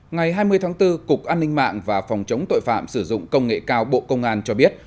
ngày hai mươi tháng bốn cục an ninh mạng và phòng chống tội phạm sử dụng công nghệ cao bộ công an cho biết